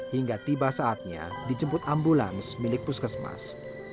hingga tiba saatnya dijemput ambulans milik puskesmas